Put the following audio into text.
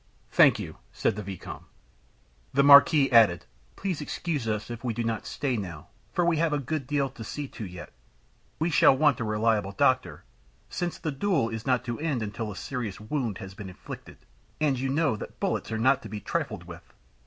"Thank you," said the vicomte. The marquis added: "Please excuse us if we do not stay now, for we have a good deal to see to yet. We shall want a reliable doctor, since the duel is not to end until a serious wound has been inflicted; and you know that bullets are not to be trifled with.